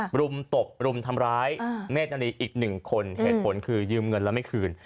รุมตบรุมทำร้ายเมฆณีอีกหนึ่งคนเหตุผลคือยืมเงินแล้วไม่คืน